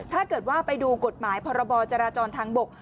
ถ้าเกิดว่าไปดูกฎหมายพรบจราจรทางบก